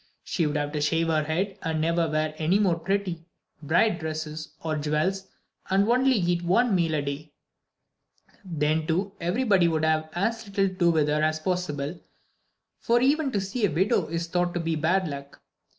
She would have to shave her head and never wear any more pretty, bright dresses or jewels, and only eat one meal a day. Then, too, everybody would have as little to do with her as possible; for even to see a widow is thought to be bad luck.